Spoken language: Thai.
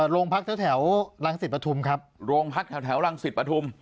โรงพักแถวรังสิตปฐุมครับโรงพักแถวรังสิตปฐุม